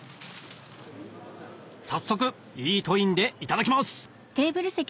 早速イートインでいただきます